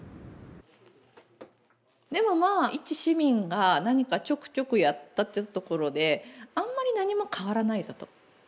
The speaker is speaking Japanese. でもまあ一市民が何かちょこちょこやったっていうところであんまり何も変わらないぞと。